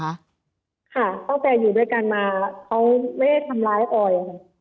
ค่ะตั้งแต่อยู่ด้วยกันมาเขาไม่ได้ทำร้ายออยค่ะ